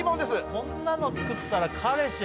こんなの作ったら彼氏はもう。